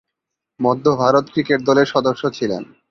মধ্য ভারত ক্রিকেট দলের সদস্য ছিলেন।